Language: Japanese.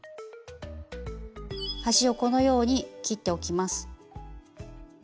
端をこのように切っておきます。